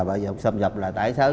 bây giờ xâm nhập là tại sao